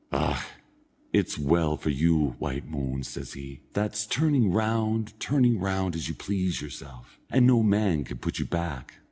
Och, it's well for you, white moon," says he, "that's turning round, turning round, as you please yourself, and no man can put you back.